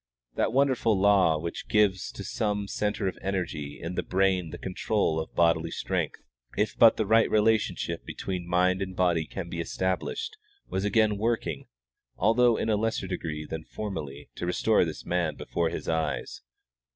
That wonderful law which gives to some centre of energy in the brain the control of bodily strength, if but the right relationship between mind and body can be established, was again working, although in a lesser degree than formerly, to restore this man before his eyes.